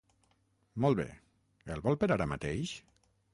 Molt bé, el vol per ara mateix?